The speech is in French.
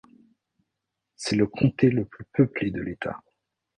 C'est le comté le plus peuplé de l'État.